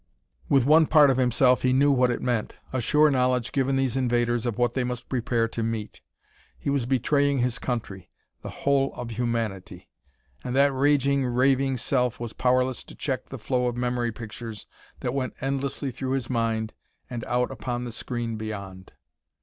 With one part of himself he knew what it meant: a sure knowledge given these invaders of what they must prepare to meet; he was betraying his country; the whole of humanity! And that raging, raving self was powerless to check the flow of memory pictures that went endlessly through his mind and out upon the screen beyond....